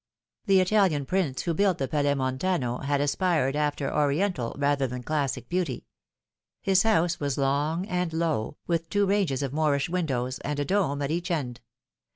The Italian prince who built the Palais Montano had aspired 228 The Fatal Three. after Oriental rather than classic beauty. His house was long and low, with two ranges of Moorish windows, and a dome at each end.